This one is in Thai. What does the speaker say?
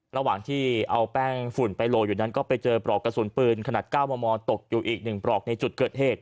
ระหว่างที่เอาแป้งฝุ่นไปโลอยู่นั้นก็ไปเจอปลอกกระสุนปืนขนาด๙มมตกอยู่อีก๑ปลอกในจุดเกิดเหตุ